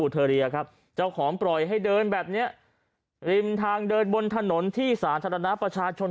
เทอเรียครับเจ้าของปล่อยให้เดินแบบเนี้ยริมทางเดินบนถนนที่สาธารณะประชาชน